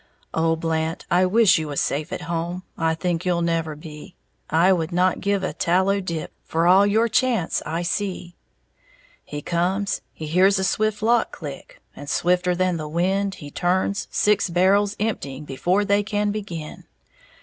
Oh, Blant, I wish you was safe at home; I think you'll never be; I would not give a tallow dip For all your chance I see! He comes, he hears a swift lock click, And, swifter than the wind, He turns, six barrels emptying Before they can begin.